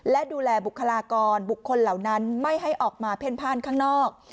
และดูแลบุคลากรบุคคลเหล่านั้นไม่ให้ออกมาเพ่นพ่านข้างนอก